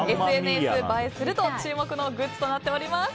ＳＮＳ映えすると注目のグッズとなっております。